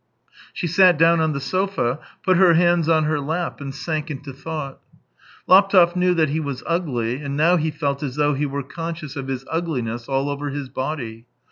She sat down on the sofa, put her hands on her lap, and sank into thought. Laptev knew that he was ugly, and now he felt as though he were conscious of his ugliness all over his body.